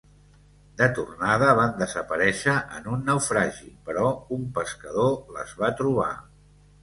De tornada van desaparèixer en un naufragi, però un pescador les va trobar.